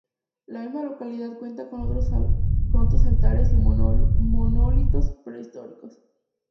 La misma localidad cuenta con otros altares y monolitos prehistóricos.